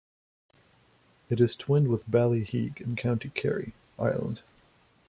It is twinned with Ballyheigue in County Kerry, Ireland.